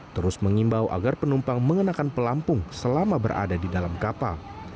terus mengimbau agar penumpang mengenakan pelampung selama berada di dalam kapal